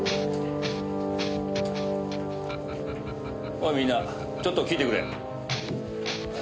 おいみんなちょっと聞いてくれ。